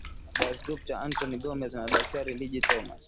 Dasgupta Antony Gomes na Daktari Liji Thomas